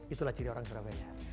itulah ciri orang surabaya